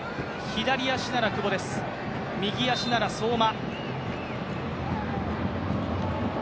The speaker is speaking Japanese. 日本は左足なら久保です、右足なら相馬。